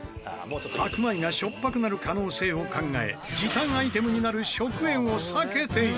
白米がしょっぱくなる可能性を考え時短アイテムになる食塩を避けていた。